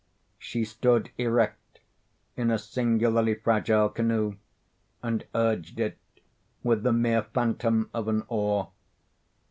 She stood erect in a singularly fragile canoe, and urged it with the mere phantom of an oar.